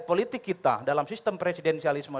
politik kita dalam sistem presidensialisme